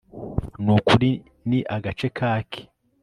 nukuri ni agace kake